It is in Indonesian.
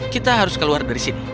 kita harus keluar dari sini